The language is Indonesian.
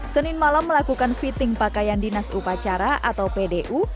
senin malam melakukan fitting pakaian dinas upacara atau pdu